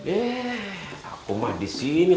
eh aku mah disini